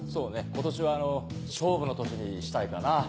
今年はあの勝負の年にしたいかな。